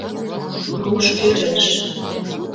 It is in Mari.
Руш ӧреш: